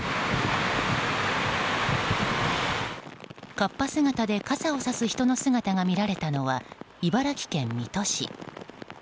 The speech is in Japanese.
合羽姿で傘をさす人が見られたのが茨城県水戸市。